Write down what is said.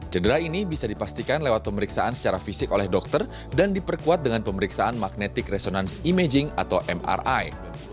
cedera ini bisa dipastikan lewat pemeriksaan secara fisik oleh dokter dan diperkuat dengan pemeriksaan magnetic resonance imaging atau mri